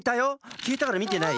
きえたからみてない？